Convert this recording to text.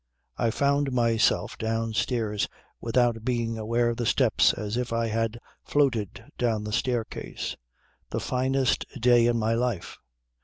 "I found myself downstairs without being aware of the steps as if I had floated down the staircase. The finest day in my life.